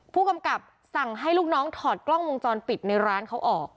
ผู้กำกับสั่งให้ลูกน้องถอดกล้องวงจรปิดในร้านเขาออก